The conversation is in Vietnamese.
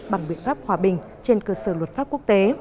bằng biện pháp hòa bình trên cơ sở luật pháp quốc tế